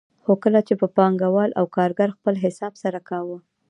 خو کله چې به پانګوال او کارګر خپل حساب سره کاوه